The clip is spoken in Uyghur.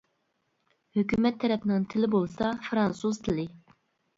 ھۆكۈمەت تەرەپنىڭ تىلى بولسا فىرانسۇز تىلى.